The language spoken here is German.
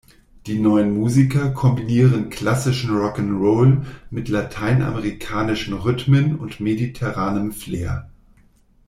Die neun Musiker kombinieren klassischen Rock ’n’ Roll mit lateinamerikanischen Rhythmen und mediterranem Flair.